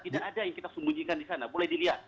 tidak ada yang kita sembunyikan disana boleh dilihat